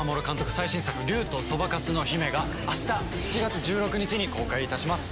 最新作『竜とそばかすの姫』が明日７月１６日に公開いたします。